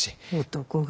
男が。